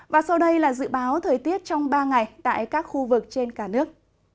và sau đây là dự báo thời tiết trong ba ngày tại các khu vực trên cả nước